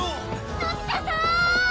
のび太さん！